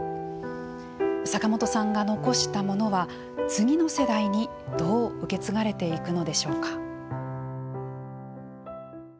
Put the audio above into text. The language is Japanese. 坂本さんが残したものは次の世代に、どう受け継がれていくのでしょうか。